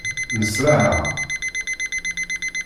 Nneṣṛaɛeɣ.